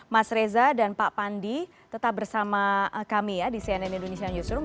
mas reza dan pak pandi tetap bersama kami ya di cnn indonesia newsroom